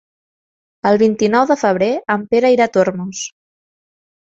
El vint-i-nou de febrer en Pere irà a Tormos.